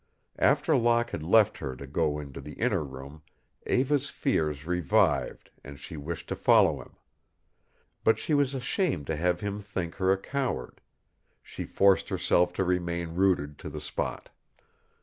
After Locke had left her to go into the inner room Eva's fears revived and she wished to follow him. But she was ashamed to have him think her a coward. She forced herself to remain rooted to the spot.